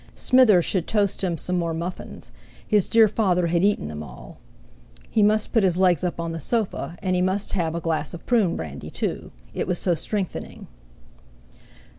Smither should toast him some more muffins, his dear father had eaten them all. He must put his legs up on the sofa; and he must have a glass of prune brandy too. It was so strengthening.